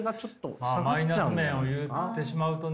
マイナス面を言ってしまうとね。